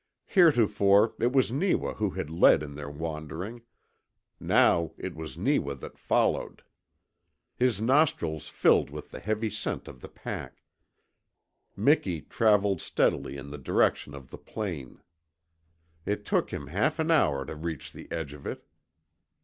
Heretofore it was Neewa who had led in their wandering; now it was Neewa that followed. His nostrils filled with the heavy scent of the pack, Miki travelled steadily in the direction of the plain. It took him half an hour to reach the edge of it.